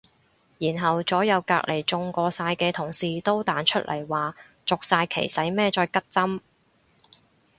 然後左右隔離中過晒嘅同事都彈出嚟話續晒期使乜再拮針